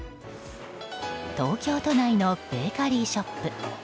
東京都内のベーカリーショップ。